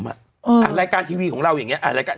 อ่ะรายการทีวีของเรายังไง